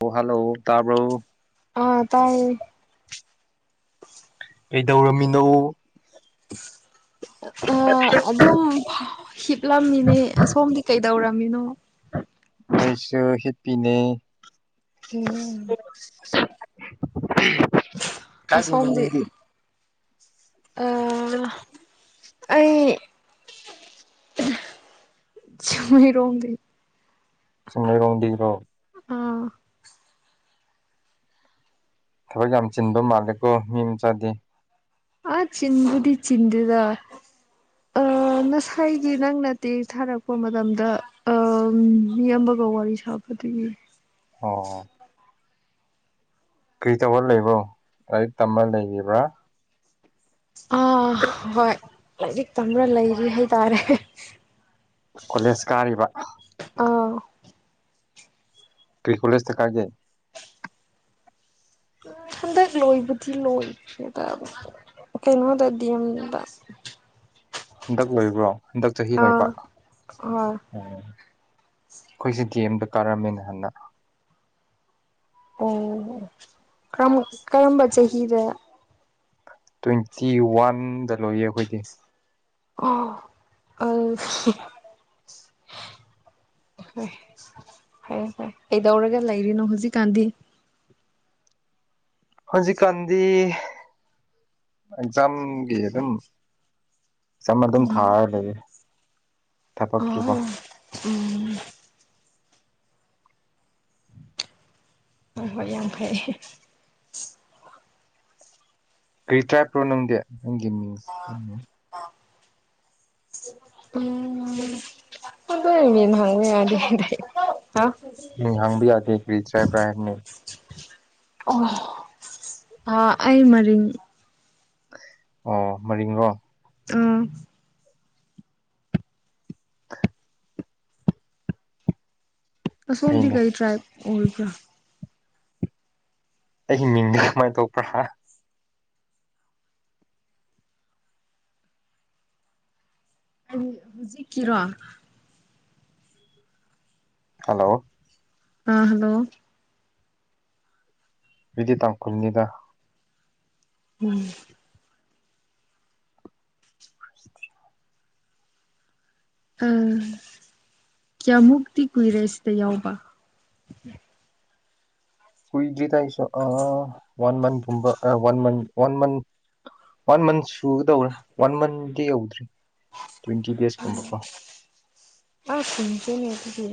ꯑꯣ ꯍꯜꯂꯣ ꯇꯥꯕ꯭ꯔꯣ ꯑꯥ ꯇꯥꯏꯌꯦ ꯀꯩꯗꯧꯔꯝꯃꯤꯅꯣ ꯑ ꯑꯗꯨꯝ ꯍꯤꯞꯂꯝꯃꯤꯅꯦ ꯁꯣꯝꯗꯤ ꯀꯩꯗꯧꯔꯝꯃꯤꯅꯣ ꯑꯩꯁꯨ ꯍꯤꯞꯄꯤꯅꯦ ꯎꯝ ꯀꯥꯏ ꯈꯨꯟꯗ ꯅꯣꯏꯗꯤ ꯑꯥ [unintelligible] ꯑꯩ ꯆꯤꯡꯃꯩꯔꯣꯡꯗꯩ ꯆꯤꯡꯃꯩꯔꯣꯡꯗꯩꯔꯣ ꯑꯥ ꯊꯕꯛ ꯌꯥꯝ ꯆꯤꯟꯕ ꯃꯥꯜꯂꯦꯀꯣ ꯃꯤ ꯃꯆꯥꯗꯤ ꯑ ꯆꯤꯟꯕꯨꯗꯤ ꯆꯤꯟꯗꯦꯗ ꯑ ꯉꯁꯥꯏꯒꯤ ꯍꯥꯏꯗꯤ ꯅꯪ ꯇꯦꯛꯠ ꯊꯥꯔꯛꯄ ꯃꯇꯝꯗ ꯃꯤ ꯑꯃꯒ ꯋꯥꯔꯤ ꯁꯥꯕꯗ ꯑꯗꯨꯒꯤ ꯑꯣ ꯀꯔꯤꯇꯧ ꯂꯩꯕ꯭ꯔꯣ ꯂꯥꯏꯔꯤꯛ ꯇꯝꯃ ꯂꯩꯔꯤꯕ꯭ꯔꯥ ꯑꯥ ꯍꯣꯏ ꯂꯥꯏꯔꯤꯛ ꯇꯝꯔ ꯂꯩꯔꯤ ꯍꯥꯏꯇꯥꯔꯦ ꯀꯣꯂꯦꯖ ꯀꯥꯔꯤꯕ ꯑꯥ ꯀꯔꯤ ꯀꯂꯦꯖꯇ ꯀꯥꯒꯦ ꯍꯟꯗꯛ ꯂꯣꯏꯕꯗꯤ ꯂꯣꯏꯈ꯭ꯔꯦꯗ ꯀꯩꯅꯣꯗ ꯗꯤ ꯑꯦꯝ ꯗ ꯍꯟꯗꯛ ꯂꯣꯏꯕ꯭ꯔꯣ ꯍꯟꯗꯛ ꯆꯍꯤ ꯑꯥ ꯂꯣꯏꯕ ꯑꯥ ꯎꯝ ꯑꯩꯈꯣꯏꯁꯦ ꯗꯤ ꯑꯦꯝꯗ ꯀꯥꯔꯝꯃꯦ ꯅꯍꯥꯟꯗ ꯑꯣ ꯀꯝ ꯀꯔꯝꯕ ꯆꯍꯤ ꯗ ꯇ꯭ꯋꯦꯟꯇꯤ ꯋꯥꯟꯗ ꯂꯣꯏꯌꯦ ꯑꯩꯈꯣꯏꯗꯤ ꯑꯣ ꯑꯁ ꯍ ꯀꯩꯗꯧꯔꯒ ꯂꯩꯔꯤꯅꯣ ꯍꯧꯖꯤꯛꯀꯥꯟꯗꯤ ꯍꯧꯖꯤ ꯀꯥꯟꯗꯤ ꯑꯦꯛꯖꯥꯝꯒꯤ ꯑꯗꯨꯝ ꯑꯦꯛꯖꯥꯝ ꯑꯗꯨꯝ ꯊꯥꯔ ꯂꯩꯔꯦ ꯑꯣ ꯎꯝ ꯍꯣꯏ ꯍꯣꯏ ꯌꯥꯝ ꯐꯩ ꯀꯔꯤ ꯇ꯭ꯔꯥꯏ ꯄ꯭ꯔꯣ ꯅꯪꯗꯤ ꯅꯪꯒꯤ ꯃꯤꯡ ꯑꯥ ꯎꯝꯗ ꯃꯤ ꯍꯪꯕ ꯌꯥꯗꯦ ꯍꯥꯏꯇꯥꯏꯅꯦ ꯃꯤ ꯍꯪꯕ ꯌꯥꯗꯦ ꯀꯔꯤ ꯇ꯭ꯔꯞꯂ ꯍꯥꯏꯕ꯭ꯔꯥꯅꯤ ꯑꯣ ꯑ ꯑꯩ ꯃꯔꯤꯡ ꯑꯣ ꯃꯔꯤꯡꯔꯣ ꯎꯝ [inaudible] ꯑꯁꯣꯝꯗꯤ ꯐꯩꯅꯦ ꯀꯩ ꯇ꯭ꯔꯥꯏꯞ ꯑꯣꯏꯕ꯭ꯕ ꯑꯩꯒꯤ ꯃꯤꯡꯗ ꯀꯃꯥꯏꯅ ꯇꯧꯕ꯭ꯔꯥ ꯍꯧꯖꯤꯛꯀꯤꯔꯣ ꯍꯜꯂꯣ ꯑꯥ ꯍꯜꯂꯣ ꯑꯗꯨꯗꯤ ꯇꯥꯡ ꯀꯨꯟꯅꯤꯗ ꯎꯝ [inaudible] ꯎꯝ ꯀꯌꯥꯃꯨꯛꯇꯤ ꯀꯨꯏꯔꯦ ꯁꯤꯗ ꯌꯥꯎꯕ ꯀꯨꯏꯗ꯭ꯔꯤ ꯇ ꯑꯩꯁꯨ ꯋꯥꯟ ꯃꯟꯕ ꯒꯨꯝꯕ ꯑꯥ ꯥꯟ ꯃꯟ ꯋꯥꯟ ꯃꯟ ꯋꯥꯟ ꯃꯟ ꯁꯨꯒꯗꯧꯔꯦ ꯋꯥꯟ ꯃꯟꯗꯤ ꯌꯧꯗ꯭ꯔꯤ ꯇ꯭ꯋꯦꯟꯇꯤ ꯗꯦꯖꯀꯨꯝꯕꯀꯣ ꯑ ꯀꯨꯗ꯭ꯔꯤꯅꯦ ꯗꯨꯗꯤ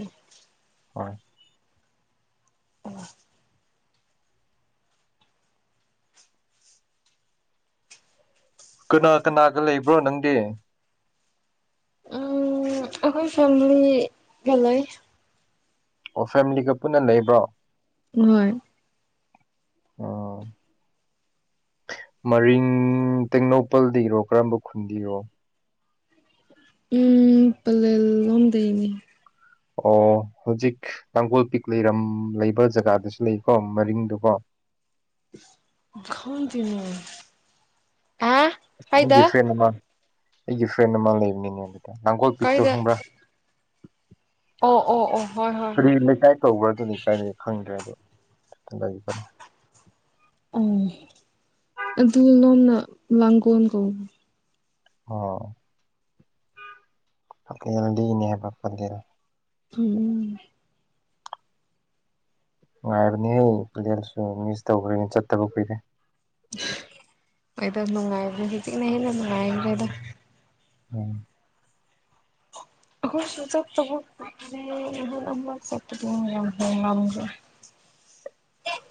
ꯍꯣꯏ ꯎ ꯀꯅꯥ ꯀꯅꯥꯒ ꯂꯩꯕ꯭ꯔꯣ ꯅꯪꯗꯤ ꯎꯝ ꯑꯩꯈꯣꯏ ꯐꯦꯃꯤꯂꯤꯒ ꯂꯩ ꯑꯣ ꯐꯦꯃꯤꯂꯤꯒ ꯄꯨꯟꯅ ꯂꯩꯕ꯭ꯔꯣ ꯍꯣꯏ ꯎꯝ ꯃꯔꯤꯡ ꯇꯦꯡꯅꯧꯄꯜꯗꯒꯤ ꯔꯣ ꯀꯔꯝꯕ ꯈꯨꯟꯗꯒꯤꯔꯣ ꯎꯝ ꯄꯜꯂꯦꯜ ꯂꯣꯝꯗꯅꯤ ꯑꯣ ꯍꯧꯖꯤꯛ ꯇꯥꯡꯒꯣꯜ ꯄꯤꯛ ꯂꯩꯔꯝ ꯂꯩꯕ ꯖꯒꯥꯗꯨꯁꯨ ꯂꯩꯀꯣ ꯃꯔꯤꯡꯗꯨꯀꯣ ꯈꯪꯇꯦꯅꯦ ꯑꯩ ꯒꯤꯐꯔꯦꯟꯅ ꯃꯥ ꯑꯩꯒꯤ ꯒꯤꯐꯦꯟꯅ ꯃꯥ ꯂꯩꯕꯅꯤ ꯅꯒꯣꯜ ꯄꯤꯛꯛꯇꯣ ꯀꯥꯏꯗ ꯈꯪꯕ꯭ꯔꯥ ꯑꯣ ꯑꯣ ꯑꯣ ꯍꯣꯏ ꯍꯣꯏ ꯀꯔꯤ ꯍꯣꯏ ꯂꯩꯀꯥꯏ ꯀꯧꯕ꯭ꯔꯗꯨꯅꯤ ꯀꯥꯏꯅ ꯈꯪꯗ꯭ꯔꯦ ꯑꯗꯣ [inaudible] ꯑꯣ ꯑꯗꯨ ꯂꯣꯝꯅ ꯂꯥꯡꯒꯣꯜ ꯀꯧꯕ ꯑꯣ ꯄꯂꯦꯜꯗꯤ ꯏꯅꯦ ꯍꯥꯏꯕ ꯄꯠꯂꯦꯜ ꯎꯝ ꯅꯨꯡꯉꯥꯏꯕꯅꯦꯍ ꯄ꯭ꯂꯦꯔꯁꯨ ꯃꯤꯁ ꯇꯧꯈ꯭ꯔꯦꯅꯦ ꯆꯠꯇꯕ ꯀꯨꯏꯔꯦ ꯋꯦꯟꯗ꯭ꯔ ꯅꯨꯡꯉꯥꯏꯕꯅꯦ ꯍꯧꯖꯤꯅ ꯍꯦꯟꯅ ꯅꯨꯡꯉꯥꯏꯈꯗꯣ ꯎꯝ [unintelligible] [inaudible]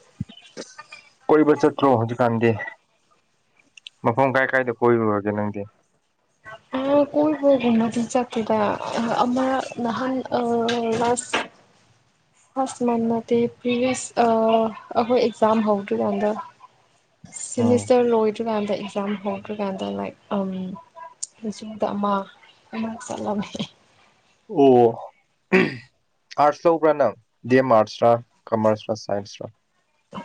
ꯀꯣꯏꯕ ꯆꯠꯇ꯭ꯔꯣ ꯍꯧꯖꯤꯛꯀꯥꯟꯗꯤ ꯃꯐꯝ ꯀꯥꯏ ꯀꯥꯏꯗ ꯀꯣꯏꯔꯨꯔꯒꯦ ꯅꯪꯗꯤ ꯑ ꯀꯣꯏꯕꯒꯨꯝꯕꯗꯤ ꯆꯠꯇꯦꯗ ꯑꯍ ꯑꯃ ꯅꯍꯥꯟ ꯑ ꯂꯥꯁ [inaudible] ꯍꯁ ꯃꯥꯟꯅꯗꯦ ꯄ꯭ꯂꯤꯁ ꯑ ꯑꯩꯈꯣꯏ ꯑꯦꯛꯖꯝ ꯍꯧꯗ꯭ꯔꯤ ꯀꯥꯟꯗ ꯎꯝ ꯁꯤꯃꯤꯁꯇꯔ ꯂꯣꯏꯗ꯭ꯔꯤ ꯀꯥꯟꯗ ꯑꯦꯛꯖꯥꯝ ꯍꯧꯗ꯭ꯔꯤ ꯀꯥꯟꯗ ꯂꯥꯏꯠ ꯑꯝ ꯍꯧꯖꯤꯛꯇ ꯑꯃ ꯑꯃ ꯆꯠꯂꯝꯃꯦ ꯑꯣ ꯑꯝ ꯑꯥꯔꯠꯁ ꯂꯧꯕ꯭ꯔꯥ ꯅꯪ ꯗꯤ ꯑꯦꯝ ꯑꯥꯔꯠꯁꯔꯥ ꯀꯥꯃ꯭ꯔꯁꯔꯥ ꯁꯥꯏꯟꯁꯔꯥ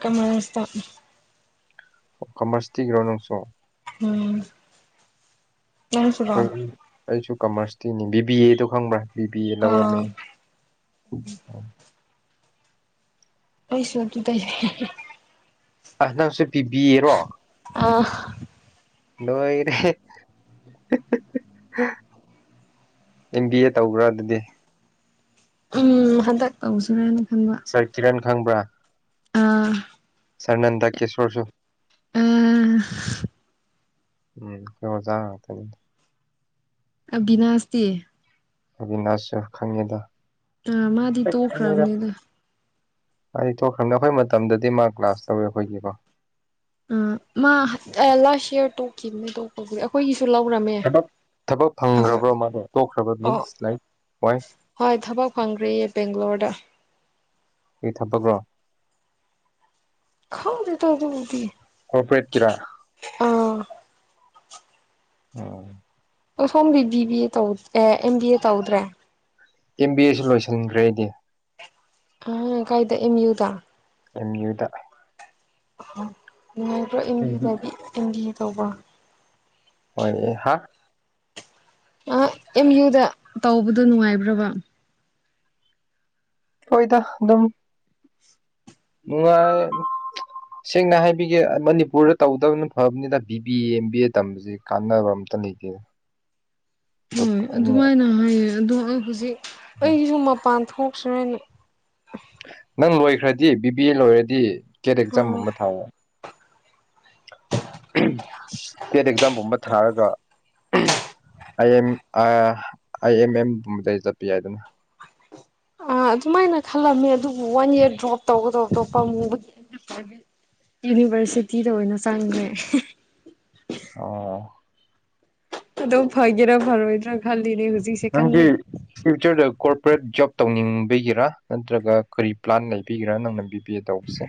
ꯀꯥꯃ꯭ꯔꯁꯇ ꯀꯥꯃ꯭ꯔꯁꯇꯩꯔꯣ ꯅꯪꯁꯨ ꯎꯝ ꯅꯪꯁꯨꯔꯣ ꯍꯣꯏ ꯑꯩꯁꯨ ꯀꯃ꯭ꯔꯁꯇꯤꯅꯤ ꯕꯤꯕꯤ ꯑꯦꯗꯣ ꯈꯪꯕ꯭ꯔꯥ ꯕꯤ ꯕꯤ ꯑꯦ ꯂꯧꯔꯝꯃꯦ ꯑꯥ ꯑꯩꯩꯁꯨ ꯑꯗꯨꯗꯩꯅꯦ ꯑꯩ ꯅꯪꯁꯨ ꯄꯤꯕꯤꯌꯦꯔꯣ ꯑꯥ ꯅꯣꯏꯔꯦꯍꯦ ꯑꯦꯝ ꯕꯤ ꯑꯦ ꯇꯧꯕ꯭ꯔꯥ ꯑꯗꯨꯗꯤ ꯎꯝ ꯍꯟꯇꯛ ꯇꯧꯁꯤꯔꯅ ꯈꯟꯕ ꯁꯥꯔ ꯀꯤꯔꯟ ꯈꯪꯕ꯭ꯔꯥ ꯑꯥ ꯁꯥꯔ ꯅꯟꯗ ꯀꯦꯁꯣꯔꯁꯨ ꯑꯥ ꯎꯝ ꯑꯩꯈꯣꯏ ꯑꯣꯖꯥ ꯉꯥꯛꯇꯅꯦ ꯑꯗꯨ ꯑꯕꯤꯅꯥꯁꯇꯤ ꯑꯕꯤꯅꯥꯁꯨ ꯈꯪꯉꯦꯗ ꯑꯥ ꯃꯥꯗꯤ ꯇꯣꯛꯈ꯭ꯔꯕꯅꯤꯗ ꯍꯥꯏꯗꯤ ꯇꯣꯛꯈ꯭ꯔꯕꯅꯤ ꯑꯩꯈꯣꯏ ꯃꯇꯝꯗꯗꯤ ꯃꯥ ꯀ꯭ꯂꯥꯁ ꯇꯧꯋꯦ ꯑꯩꯈꯣꯏꯒꯤꯀꯣ ꯑ ꯃꯥ ꯂꯥꯁ ꯏꯌꯥꯔ ꯇꯣꯛꯈꯤꯕꯅꯦ ꯇꯣꯛꯄꯕꯨꯗꯤ ꯑꯩꯈꯣꯏꯒꯤꯁꯨ ꯂꯧꯔꯝꯃꯦ ꯊꯕꯛ ꯊꯕꯛ ꯑꯩꯈꯣꯏ ꯐꯪꯈ꯭ꯔꯕ꯭ꯔꯣ ꯃꯥꯗꯣ ꯇꯣꯛꯈ꯭ꯔꯕ ꯑꯣ ꯃꯤꯟꯁ ꯂꯥꯏꯛ ꯋꯥꯏ ꯍꯣꯏ ꯊꯕꯛ ꯐꯪꯈ꯭ꯔꯦꯌꯦ ꯕꯦꯡꯒ꯭ꯂꯣꯔꯗ ꯀꯩ ꯊꯛꯕꯛꯂ ꯈꯪꯗꯦꯗ ꯑꯗꯨꯕꯨꯗꯤ ꯀꯣꯄ꯭ꯔꯦꯠꯀꯤꯔꯥ ꯑꯣ ꯑꯥ ꯁꯣꯝꯗꯤ ꯕꯤꯕꯤ ꯑꯦ ꯇꯧ ꯑꯦ ꯑꯦꯝ ꯕꯤ ꯑꯦ ꯇꯧꯗ꯭ꯔꯦ ꯑꯦꯝ ꯕꯤ ꯑꯦꯁꯨ ꯂꯣꯏꯁꯤꯟꯈ꯭ꯔꯦ ꯑꯩꯗꯤ ꯑ ꯀꯥꯏꯗ ꯑꯦꯝ ꯌꯨ ꯗ ꯑꯦꯝ ꯌꯨ ꯗ ꯅꯨꯡꯉꯥꯏꯕ꯭ꯔꯣ ꯑꯦꯝ ꯕꯤ ꯑꯦ ꯇꯧꯕꯤ ꯑꯦꯝ ꯕꯤ ꯑꯦ ꯇꯧꯕ ꯍꯣꯏ ꯑꯦ ꯍꯥꯥ ꯑ ꯑꯦꯝ ꯌꯨꯗ ꯇꯧꯕꯗꯣ ꯅꯨꯡꯉꯥꯏꯕ꯭ꯔꯕ ꯍꯣꯏꯗ ꯑꯗꯨꯝ ꯅꯨꯡꯉꯥꯏ ꯁꯦꯡꯅ ꯍꯥꯏꯕꯤꯒꯦ ꯃꯅꯤꯄꯨꯔꯗ ꯇꯧꯗꯕꯅ ꯐꯕꯅꯤꯗ B B A M B A ꯇꯝꯕꯁꯦ ꯀꯥꯟꯅꯕꯝ ꯇ ꯂꯩꯇꯦꯗ [inaudible] ꯍꯣꯏ ꯑꯗꯨꯃꯥꯏꯅ ꯍꯥꯏꯌꯦ ꯑꯗꯣ ꯑꯩ ꯍꯧꯖꯤꯛ ꯑꯩꯁꯨ ꯃꯄꯥꯟ ꯊꯣꯛꯁꯤꯔꯅ ꯅꯪ ꯂꯣꯏꯈ꯭ꯔꯗꯤ ꯕꯤ ꯕꯤ ꯑꯦ ꯂꯣꯏꯔꯗꯤ ꯀꯦꯠ ꯑꯥ ꯑꯦꯛꯖꯥꯝꯒꯨꯝꯕ ꯊꯥꯎ ꯇꯦꯠ ꯑꯦꯛꯖꯥꯝꯒꯨꯝꯕ ꯊꯥꯔꯒ ꯑꯩ ꯑꯦꯝ ꯑꯩ ꯑꯦꯝ ꯑꯦꯝ ꯄꯨꯝꯕꯗ ꯆꯠꯄ ꯌꯥꯏꯗꯅ ꯑꯥ ꯑꯗꯨꯃꯥꯏꯅ ꯈꯜꯂꯝꯃꯦ ꯑꯗꯨꯕꯨ ꯋꯥꯟ ꯏꯌꯥꯔ ꯗ꯭ꯔꯣꯞ ꯇꯧꯕꯗꯧꯗꯣ ꯄꯝꯝꯃꯨꯕꯒꯤ ꯌꯨꯅꯤꯚꯔꯁꯤꯇꯤꯗ ꯑꯣꯏꯅ ꯆꯪꯉꯦ ꯑꯣ ꯑꯗꯣ ꯐꯒꯦꯔ ꯐꯔꯣꯏꯔ ꯈꯪꯉꯦ ꯅꯪꯒꯤ ꯐꯌꯨꯆꯔꯗ ꯀꯣꯔꯄ꯭ꯔꯦꯠ ꯖꯣꯕ ꯇꯧꯅꯤꯡꯕꯤꯒꯤꯔꯥ ꯅꯠꯇ꯭ꯔꯒ ꯀꯔꯤ ꯄ꯭ꯂꯥꯟ ꯂꯩꯕꯤꯒꯦꯔꯥ ꯅꯪꯅ ꯕꯤ ꯕꯤ ꯇꯧꯕꯁꯦ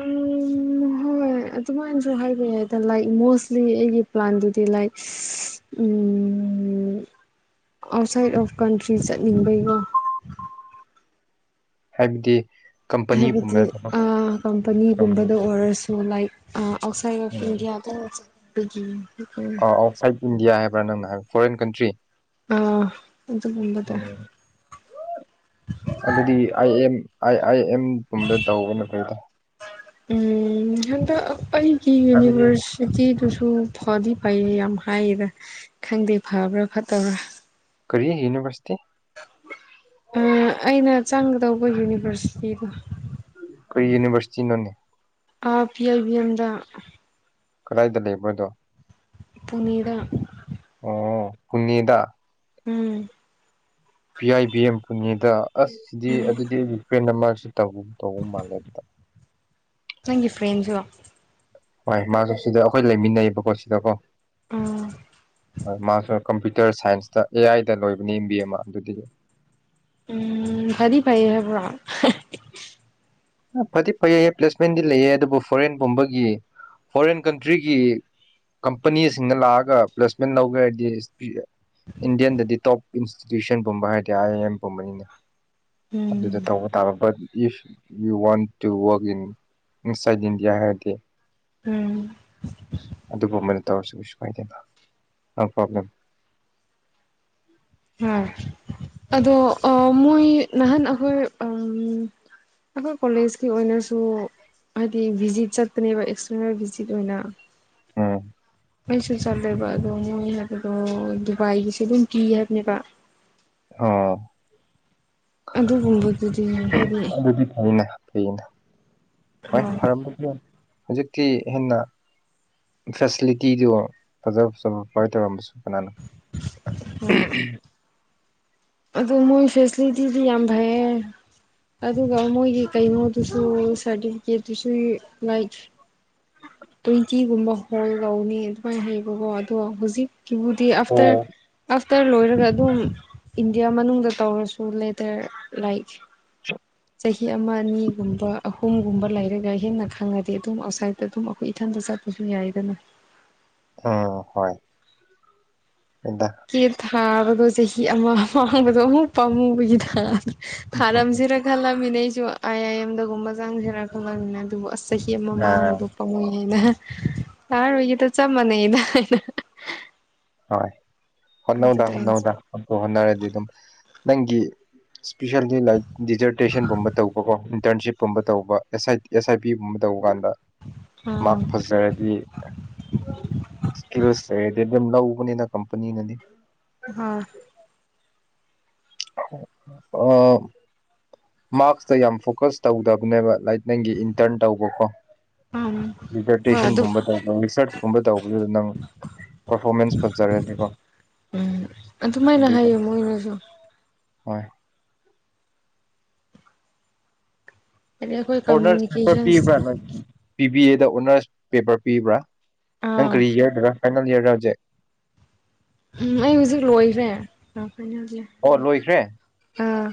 ꯎꯝ ꯍꯣꯏ ꯑꯗꯨꯃꯥꯏꯅꯁꯨ ꯍꯥꯏꯕ ꯌꯥꯗ ꯂꯥꯏꯛ ꯃꯣꯁꯂꯤ ꯑꯩꯒꯤ ꯄ꯭ꯂꯥꯟꯗꯨꯗꯤ like um outside of country ꯆꯠꯅꯤꯡꯕꯒꯤ ꯀꯣ ꯍꯥꯏꯕꯗꯤ ꯍꯥꯏꯕꯗꯤ ꯀꯝꯄꯅꯤꯒꯨꯝꯕ ꯊꯕꯛ ꯑꯥ ꯇꯧꯅꯤꯡ ꯀꯝꯄꯅꯤꯒꯨꯝꯕꯗ ꯑꯣꯏꯔꯁꯨ ꯂꯥꯏꯛ ꯑꯥ ꯑꯥꯎꯠꯁꯥꯏꯠ ꯑꯣꯐ ꯏꯟꯗꯤꯌꯥꯗ ꯆꯠꯄꯒꯤ ꯑꯧ ꯑꯥꯎꯠꯁꯥꯏꯠ ꯏꯟꯗꯤꯌꯥ ꯍꯥꯏꯕ꯭ꯔꯥ ꯅꯪꯅ ꯐꯣꯔꯦꯟ ꯀꯟꯇ꯭ꯔꯤ ꯑꯥ ꯑꯗꯨꯒꯨꯝꯕꯗ ꯑꯗꯨꯗꯤ ꯑꯥꯏ ꯑꯦꯝ ꯑꯥꯏ ꯑꯥꯏ ꯑꯦꯝꯒꯨꯝꯕ ꯇꯧꯕꯅ ꯐꯩꯗ ꯎꯝ ꯍꯟꯗꯛ ꯑꯩꯒꯤ ꯍꯥꯏꯕꯗꯤ ꯌꯨꯅꯤꯚꯔꯁꯤꯇꯤꯗꯨꯁꯨ ꯐꯗꯤ ꯐꯩꯌꯦ ꯌꯥꯝ ꯍꯥꯏꯌꯦꯗ ꯈꯪꯗꯦ ꯐꯕ꯭ꯔꯥ ꯐꯠꯇꯕ꯭ꯔꯥ ꯀꯔꯤ ꯌꯨꯅꯤꯕ꯭ꯔꯥꯁ ꯑꯥ ꯑꯩꯅ ꯆꯪꯒꯗꯧꯕ ꯌꯨꯅꯤꯚꯔꯁꯤꯇꯤꯗꯣ ꯀꯩ ꯌꯨꯔꯅꯤꯕꯔꯁꯤꯇꯤꯅꯣꯅꯦ ꯑꯥ ꯄꯤ ꯑꯦꯜ ꯕꯤ ꯑꯦꯝꯗ ꯀꯔꯥꯏꯗ ꯂꯩꯕ꯭ꯔ ꯗꯣ ꯄꯨꯅꯦꯗ ꯄꯨꯅꯤꯗ ꯎꯝ ꯑꯗꯣ ꯑꯁ ꯁꯤꯗꯤ ꯑꯗꯨꯗꯤ ꯑꯩ ꯐ꯭ꯔꯦꯟ ꯃꯥꯁꯨ ꯇꯧ ꯇꯧꯕ ꯃꯥꯜꯂꯦ ꯑꯗꯨꯗ ꯅꯪꯒꯤ ꯐ꯭ꯔꯦꯟꯖꯨ ꯍꯣꯏ ꯃꯥꯁꯨ ꯁꯤꯗ ꯑꯩꯈꯣꯏ ꯂꯩꯃꯤꯟꯅꯩꯌꯦꯕꯀꯣ ꯁꯤꯗꯀꯣ ꯎꯝ ꯍꯣꯏ ꯃꯥꯁꯨ ꯀꯝꯄ꯭ꯌꯨꯇꯔ ꯁꯥꯏꯟꯁꯇ ꯑꯦ ꯑꯥꯏꯗ ꯂꯣꯏꯕꯅꯤ ꯑꯦꯝ ꯕꯤ ꯑꯃ ꯑꯗꯨꯗꯤ ꯎꯝ ꯐꯗꯤ ꯐꯩꯌꯦ ꯍꯥꯏꯕ꯭ꯔꯥ ꯍꯦ ꯐꯗꯤ ꯐꯩꯌꯦ ꯄ꯭ꯂꯦꯁꯃꯦꯟꯗꯤ ꯂꯩꯌꯦ ꯑꯗꯨꯕꯨ ꯐꯣꯔꯦꯟ ꯄꯨꯝꯕꯒꯤ ꯐꯣꯔꯦꯟ ꯀꯟꯇ꯭ꯔꯤꯒꯤ ꯀꯝꯄꯅꯤꯁꯤꯡꯅ ꯂꯥꯛꯑꯒ ꯄ꯭ꯂꯦꯁꯃꯦꯟ ꯂꯧꯒꯦ ꯍꯥꯏꯗꯤ ꯏꯟꯗꯤꯌꯥꯟꯗꯗꯤ ꯇꯣꯞ ꯏꯟꯁꯇꯤꯇ꯭ꯌꯨꯁꯟ ꯄꯨꯝꯕ ꯍꯥꯏꯔꯗꯤ ꯑꯥꯏ ꯑꯥꯏ ꯑꯦꯝ ꯄꯨꯝꯕꯅꯤꯅꯦ ꯑꯗꯨꯗ ꯎꯝ ꯇꯧꯕ ꯇꯥꯕ but if you want to work in inside India ꯍꯥꯏꯔꯗꯤ ꯎꯝ ꯑꯗꯨ ꯒꯨꯝꯕꯅꯦ ꯇꯩꯔꯁꯨ ꯀꯩꯁꯨꯀꯥꯏꯗꯦꯗ ꯅꯣ ꯄꯣꯕ꯭ꯂꯦꯝ ꯍꯥ ꯑꯗꯣ ꯑꯥ ꯃꯣꯏ ꯅꯍꯥꯟ ꯑꯩꯈꯣꯏ ꯑꯥ ꯑꯩꯈꯣꯏ ꯀꯣꯂꯦꯖꯀꯤ ꯑꯣꯏꯅꯁꯨ ꯍꯥꯏꯗꯤ ꯚꯤꯖꯤꯠ ꯆꯠꯄꯅꯦꯕ ꯑꯦꯛꯁꯇ꯭ꯔꯅꯦꯜ ꯚꯤꯖꯤꯠ ꯑꯣꯏꯅ ꯎꯝ ꯑꯩꯁꯨ ꯆꯥꯠꯂꯦꯕ ꯑꯗꯣ ꯃꯣꯏ ꯍꯥꯏꯕꯗꯣ ꯗꯨꯕꯥꯏꯒꯤꯁꯦ ꯑꯗꯨꯝ ꯄꯤ ꯍꯥꯏꯕꯅꯦꯕ ꯑꯥ ꯑꯗꯨꯒꯨꯝꯕꯗꯨꯗꯤ ꯍꯥꯏꯗꯤ ꯑꯗꯨꯗꯤ ꯐꯩꯅꯦ ꯐꯩꯅꯦ ꯍꯣꯏ ꯐꯔꯝꯕꯁꯨ ꯌꯥꯏ ꯍꯧꯖꯤꯛꯇꯤ ꯍꯦꯟꯅ ꯐꯦꯁꯤꯂꯤꯇꯤꯗꯣ ꯐꯖ ꯐꯖꯕ ꯀꯃꯥꯏꯅ ꯇꯧꯔꯝꯕꯁꯨ ꯀꯅꯥꯅ ꯑꯗꯨ ꯃꯣꯏ ꯐꯦꯁꯤꯂꯤꯇꯤꯗꯤ ꯌꯥꯝ ꯐꯩꯌꯦ ꯑꯗꯨꯒ ꯃꯣꯏꯒꯤ ꯀꯩꯅꯣꯗꯨꯁꯨ ꯁꯥꯔꯇꯤꯐꯤꯀꯦꯠꯇꯨꯁꯨ ꯂꯥꯏꯛ ꯇ꯭ꯨꯋꯦꯟꯇꯤꯒꯨꯝꯕ ꯂꯧꯅꯤ ꯑꯗꯨꯃꯥꯏꯅ ꯍꯥꯏꯌꯦꯕꯀꯣ ꯑꯗꯣ ꯍꯧꯖꯤꯛ ꯀꯤꯕꯨꯗꯤ ꯑꯥꯐꯇꯔ ꯎꯝ ꯑꯥꯐꯇꯔ ꯂꯣꯏꯔꯒ ꯑꯗꯨꯝ ꯏꯟꯗꯤꯌꯥ ꯃꯅꯨꯡꯗ ꯇꯧꯔꯁꯨ ꯂꯦꯇꯔ ꯂꯥꯏꯛ [inaudible] ꯆꯍꯤ ꯑꯃ ꯑꯅꯤꯒꯨꯝꯕ ꯑꯍꯨꯝꯒꯨꯝꯕ ꯂꯩꯔꯒ ꯍꯦꯟꯅ ꯈꯪꯅꯗꯤ ꯑꯗꯨꯝ ꯑꯥꯎꯠꯁꯥꯏꯠꯇ ꯑꯗꯨꯝ ꯑꯩꯈꯣꯏ ꯏꯊꯟꯗ ꯆꯠꯄ ꯄꯨꯁꯤꯟ ꯌꯥꯏꯗꯅ ꯎꯝ ꯍꯣꯏ ꯍꯣꯏꯗ ꯀꯦ ꯊꯥꯕꯗꯣ ꯆꯍꯤ ꯑꯃ ꯃꯥꯡꯕꯗꯣ ꯑꯃꯨꯛ ꯄꯥꯝꯃꯨꯕꯒꯤꯗ ꯊꯥꯔꯝꯁꯤꯔ ꯈꯜꯂꯕꯅꯦ ꯑꯩ ꯁꯨ ꯑꯥꯏ ꯑꯥꯏ ꯑꯦꯝꯗꯒ ꯒꯨꯝꯕ ꯆꯪꯖꯤꯔ ꯈꯜꯂꯝꯃꯤꯅꯦ ꯑꯗꯨꯕꯨ ꯑꯁ ꯆꯍꯤ ꯑꯃ ꯑꯥ ꯃꯥꯡꯕꯗꯣ ꯄꯥꯝꯃꯨꯏ ꯑꯦꯅꯥ [inaudible] ꯆꯞ ꯃꯥꯅꯩꯅ ꯍꯣꯏ ꯍꯣꯠꯅꯧꯗ ꯍꯣꯠꯅꯧꯗ ꯍꯣꯠꯄꯨ ꯍꯣꯠꯅꯔꯗꯤ ꯑꯗꯨꯝ ꯅꯪꯒꯤ ꯏꯁꯄꯤꯁꯜꯂꯤ ꯂꯥꯏꯛ ꯗꯤꯖꯔꯇꯦꯁꯟꯒꯨꯝꯕ ꯇꯧꯕꯀꯣ ꯏꯟꯇꯔꯟꯁꯤꯞꯀꯨꯝꯕ ꯇꯧꯕ ꯑꯦꯁ ꯑꯥꯏ ꯑꯦꯁ ꯑꯥꯏ ꯄꯤ ꯒꯨꯝꯕ ꯇꯧꯕ ꯀꯥꯟꯗ ꯃꯥꯔꯛ ꯑꯥ ꯐꯖꯔꯗꯤ ꯏꯁꯀꯤꯜꯁ ꯂꯩꯔꯗꯤ ꯑꯗꯨꯝ ꯂꯧ ꯅꯤꯅ ꯀꯝꯄꯅꯤ ꯅꯗꯤ ꯍꯣꯏ ꯑꯣ ꯃꯥꯔꯛꯁꯇ ꯌꯥꯝ ꯐꯣꯀꯁ ꯇꯧꯗꯕꯅꯦꯕ ꯂꯥꯏꯠ ꯅꯪꯒꯤ ꯏꯟꯇꯔꯟ ꯇꯧꯕꯀꯣ ꯎꯝ ꯍꯣꯏ ꯑꯗꯨꯝ ꯗꯤꯖꯔꯇꯦꯁꯟꯒꯨꯝꯕ ꯇꯧꯕ ꯔꯤꯁꯔꯁꯀꯨꯝꯕ ꯇꯧꯕꯗꯨꯗ ꯅꯪ ꯄꯔꯐꯣꯔꯃꯦꯟꯁ ꯐꯖꯔꯗꯤꯀꯣ ꯑꯗꯨꯃꯥꯏꯅ ꯑꯗꯨꯗꯣ ꯍꯥꯏꯌꯦ ꯃꯣꯏꯅꯁꯨ ꯍꯣꯏ ꯍꯥꯏꯗꯤ ꯑꯩꯈꯣꯏ ꯑꯣꯅꯔꯁ ꯄꯦꯄꯔ ꯀꯝꯃ꯭ꯌꯨꯅꯤꯀꯦꯁꯟꯁ ꯄꯤꯕ꯭ꯔꯥ ꯅꯪ ꯕꯤꯕꯤꯌꯦ ꯗ ꯑꯣꯅꯔꯁ ꯄꯦꯄꯔ ꯄꯤꯕ꯭ꯔꯥ ꯅꯪ ꯑꯥ ꯀꯔꯤ ꯏꯔꯗꯔꯥ ꯐꯥꯏꯅꯦꯜ ꯏꯌꯔꯔ ꯍꯧꯖꯤꯛ ꯎꯝ ꯑꯩ ꯍꯧꯖꯤꯛ ꯂꯣꯏꯔꯦ ꯑꯣ ꯂꯣꯏꯈ꯭ꯔꯦ ꯑꯥ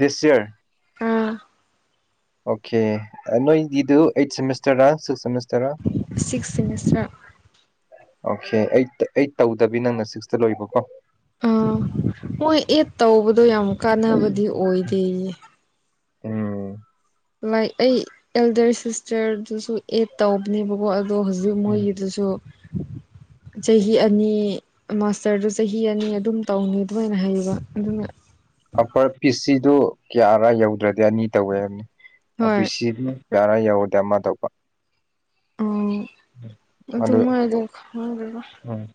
ꯗꯤꯁ ꯏꯌꯥꯔ ꯑꯥ ꯑꯣꯀꯦ ꯅꯣꯏꯒꯤꯗꯨ ꯑꯥꯏꯠ ꯁꯦꯝꯃꯤꯁꯇꯔꯔ ꯁꯤꯛꯁ ꯁꯦꯃꯤꯁ six semester okay eight eight ꯇꯧꯗꯕꯤ ꯅꯪꯅ ꯁꯤꯛꯁꯇ ꯂꯣꯏꯕꯀꯣ ꯑꯥ ꯃꯣꯏ ꯑꯦꯠ ꯇꯧꯕꯗꯣ ꯌꯥꯝ ꯀꯥꯟꯅꯕꯗꯤ ꯑꯣꯏꯗꯦꯌꯦ ꯎꯝ ꯂꯥꯏ ꯑꯩ ꯑꯦꯜꯗꯔ ꯁꯤꯁꯇꯔꯗꯨꯁꯨ ꯑꯦꯠ ꯇꯧꯕꯅꯦꯕꯀꯣ ꯑꯗꯣ ꯍꯧꯖꯤꯛ ꯃꯣꯏꯒꯤꯗꯨꯁꯨ [inaudible] ꯆꯍꯤ ꯑꯅꯤ ꯃꯥꯁꯇꯔꯗꯨ ꯆꯍꯤ ꯑꯅꯤ ꯑꯗꯨꯝ ꯇꯧꯅꯤ ꯑꯗꯨꯃꯥꯏꯅ ꯍꯥꯏꯌꯦꯕ ꯑꯗꯨꯅ ꯑꯞꯄꯔ ꯄꯤ ꯁꯤꯗꯨ ꯀꯌꯥꯔꯥ ꯌꯧꯗ꯭ꯔꯗꯤ ꯑꯅꯤ ꯇꯧꯋꯦ ꯍꯥꯏꯕꯅꯤ ꯄꯤ ꯍꯣꯏ ꯁꯤꯗꯨꯅ ꯌꯥꯔ ꯌꯧꯔꯗꯃ ꯇꯧꯕ ꯎꯝ ꯑꯗꯨ ꯃꯥꯏꯗꯣ ꯈꯪꯗꯦꯗ ꯎꯝ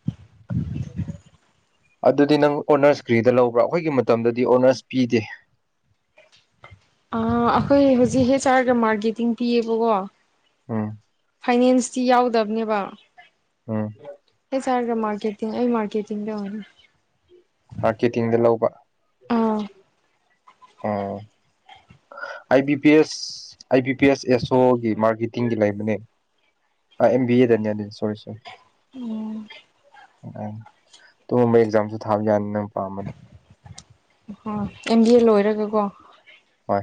ꯑꯗꯨꯗꯤ ꯅꯪ ꯑꯣꯅꯔꯁ ꯀ꯭ꯔꯤꯗ ꯂꯧꯕ꯭ꯔꯥ ꯑꯩꯈꯣꯏꯒꯤ ꯃꯇꯝꯗꯗꯤ ꯑꯣꯅꯔꯁ ꯄꯤꯗꯦ ꯑꯥ ꯑꯩꯈꯣꯏ ꯍꯧꯖꯤꯛ ꯍꯦꯁ ꯑꯥꯔꯒ ꯃꯥꯔꯀꯦꯇꯤꯡ ꯄꯤꯌꯦꯕꯀꯣ ꯎꯝ ꯐꯥꯏꯅꯦꯟꯁꯇꯤ ꯌꯥꯎꯗꯕꯅꯦꯕ ꯎꯝ ꯍꯩꯁ ꯑꯥꯔꯒ ꯃꯥꯔꯀꯦꯇꯤꯡ ꯑꯩ ꯃꯥꯔꯀꯦ ꯀꯦꯇꯤꯡ ꯇꯧꯔꯅꯤ ꯃꯥꯔꯀꯦꯇꯤꯡꯗ ꯂꯧꯕ I B P S I B P S ꯑꯦꯁꯣꯒꯤ ꯃꯥꯔꯀꯦꯇꯤꯡꯒꯤ ꯂꯩꯕꯅꯤ ꯑꯥ ꯑꯦꯝ ꯕꯤ ꯑꯦ ꯗꯅꯤ ꯑꯗꯨꯗꯤ ꯁꯣꯏꯔꯤꯁꯦ ꯑꯗꯨꯒꯨꯝꯕ ꯑꯦꯛꯖꯥꯝꯁꯨ ꯊꯥꯕ ꯌꯥꯅꯤ ꯅꯪ ꯄꯥꯝꯃꯗꯤ ꯑꯣ ꯑꯦꯝ ꯕꯤ ꯑꯦ ꯂꯣꯏꯔꯒꯀꯣ ꯍꯣꯏ